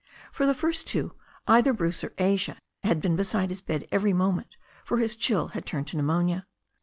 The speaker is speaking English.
For the first two either Bruce or Asia had been beside his bed every moment, for his chill had turned to pneumonia.